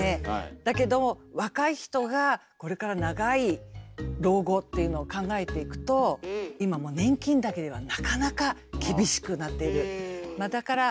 だけども若い人がこれから長い老後っていうのを考えていくと今もう年金だけではなかなか厳しくなっている。